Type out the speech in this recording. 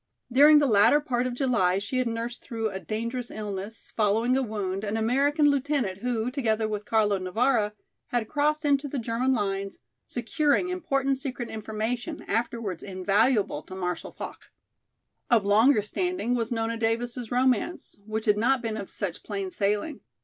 During the latter part of July she had nursed through a dangerous illness, following a wound, an American lieutenant[A] who, together with Carlo Navara, had crossed into the German lines, securing important secret information, afterwards invaluable to Marshal Foch. Of longer standing was Nona Davis's romance, which had not been of such plain sailing.